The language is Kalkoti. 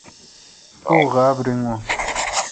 پو غاب ریگون۔